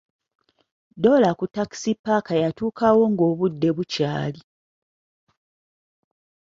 Doola ku takisi paaka yatuukawo ng'obudde bukyali.